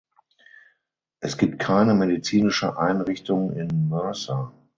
Es gibt keine medizinische Einrichtung in Mercer.